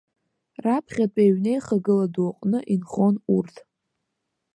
Раԥхьатәи аҩнеихагыла ду аҟны инхон урҭ.